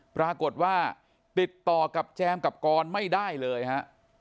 ปรากฏว่าติดต่อกับแจมกับกรไม่ได้เลยฮะ